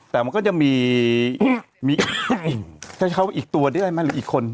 แต่มันก็จะมีอีกตัวได้ไหมหรืออีกคน